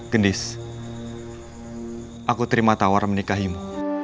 gendis aku terima tawar menikahimu